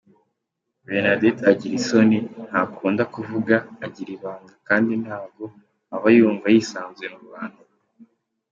Bernadette agira isoni, ntakunda kuvuga, agira ibanga kandi ntago aba yumva yisanzuye mu bantu.